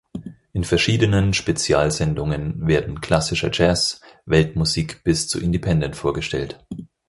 In verschiedenen Spezialsendungen werden klassischer Jazz, Weltmusik bis zu Independent vorgestellt.